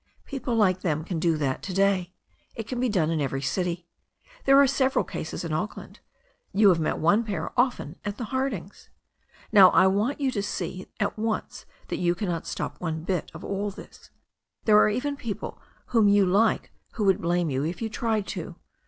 People like them can do that to day. It can be done in every city. There are sev eral cases in Auckland. You have met one pair often at the Hardings. Now I want you to see at once that you cannot stop one bit of all this. There are even people whom you like who would blame you if you tried to.